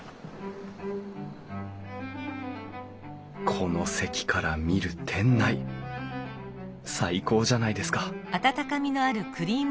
この席から見る店内最高じゃないですか！